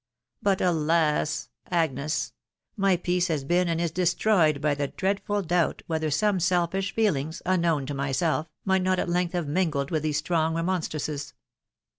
But, alas ! Agnes .... my peace has been and is destroyed by the dreadful doubt whether some H h % 468' THH WIDOW BARNABY. selfish feelings, unknown to myself, might not at length have mingled with these strong remonstrances.